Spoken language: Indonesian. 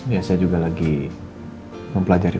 ya saya juga lagi mempelajari